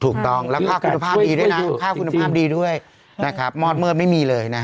ถูกรองและภาคคุณภาพดีด้วยครับมอดเมืองไม่มีเลย